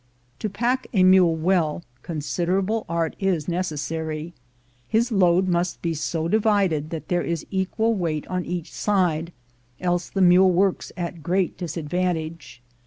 To pack a mule well, considerable art is necessary. His load must be so divided that there is an equal weight on each side, else the mule works at great disadvantage.